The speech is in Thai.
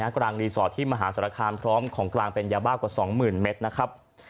กลางรีสอร์ทที่มหาศาลคามพร้อมของกลางเป็นยาบ้ากว่า๒๐๐๐เมตรนะครับ